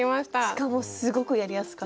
しかもすごくやりやすかった。